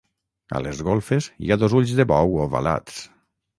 A les golfes hi ha dos ulls de bou ovalats.